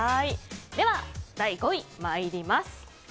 では、第５位まいります。